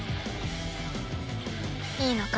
いいのか？